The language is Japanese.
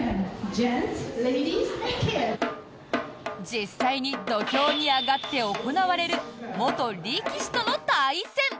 実際に土俵に上がって行われる元力士との対戦。